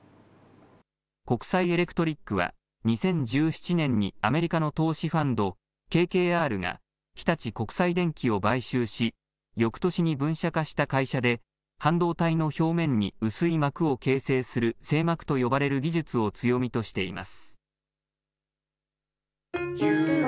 ＫＯＫＵＳＡＩＥＬＥＣＴＲＩＣは、２０１７年にアメリカの投資ファンド、ＫＫＲが日立国際電気を買収し、よくとしに分社化した会社で、半導体の表面に薄い膜を形成する成膜と呼ばれる技術を強みとしています。